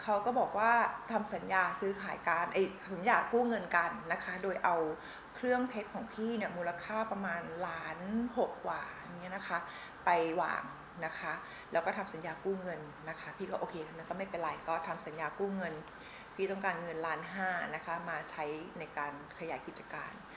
เขาก็บอกว่าทำสัญญาซื้อขายกันหึมอยากกู้เงินกันนะคะโดยเอาเครื่องเพชรของพี่เนี่ยมูลค่าประมาณล้านหกกว่านี้นะคะไปวางนะคะแล้วก็ทำสัญญากู้เงินนะคะพี่ก็โอเคอันนั้นก็ไม่เป็นไรก็ทำสัญญากู้เงินพี่ต้องการเงินล้านห้านะคะมาใช้ในการขยายกิจการ